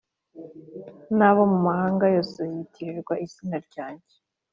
n’abo mu mahanga yose yitirirwa izina ryanjye